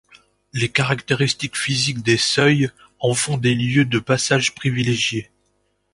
Les caractéristiques physiques des seuils en font des lieux de passage privilégiés.